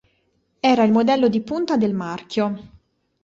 Era il modello di punta del marchio.